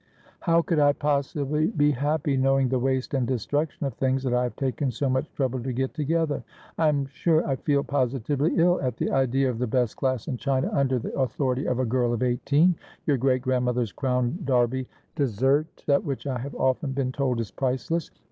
' How could I possibly be happy knowing the waste and destruction of things that I have taken so much trouble to get together ? I'm sure I feel positively ill at the idea of the best glass and china under the authority of a girl of eighteen ; your great grandmother's Crown Derby dessert set, which I have often been told is priceless.'